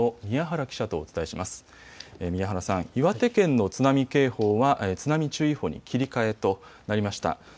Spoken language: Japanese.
宮原さん、岩手県の津波警報は津波注意報に切り替えとなりました。